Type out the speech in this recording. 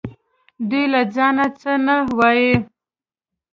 دوی له ځانه څه نه وايي